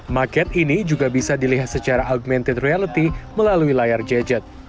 market ini juga bisa dilihat secara augmented reality melalui layar gadget